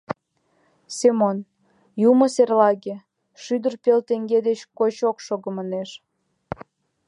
Семон «Юмо серлаге, шӱдыр пел теҥге деч коч ок шого!» манеш.